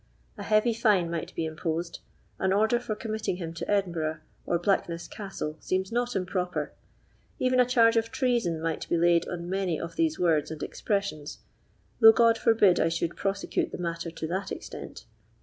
A heavy fine might be imposed; an order for committing him to Edinburgh or Blackness Castle seems not improper; even a charge of treason might be laid on many of these words and expressions, though God forbid I should prosecute the matter to that extent.